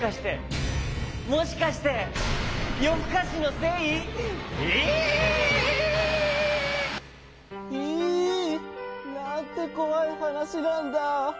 ヒイなんてこわいはなしなんだ。